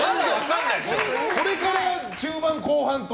これから中盤、後半と。